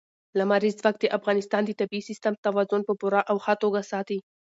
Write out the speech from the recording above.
لمریز ځواک د افغانستان د طبعي سیسټم توازن په پوره او ښه توګه ساتي.